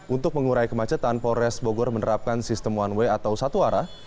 untuk mengurai kemacetan polres bogor menerapkan sistem one way atau satu arah